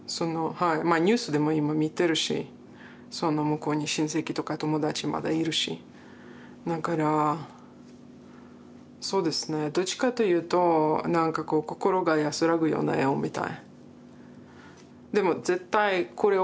ニュースでも今見てるしその向こうに親戚とか友達まだいるしだからそうですねどっちかというとなんかこう心が安らぐような絵を見たい。